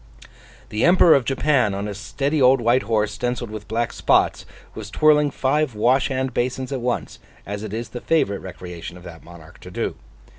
The Emperor of Japan, on a steady old white horse stencilled with black spots, was twirling five wash hand basins at once, as it is the favourite recreation of that monarch to do.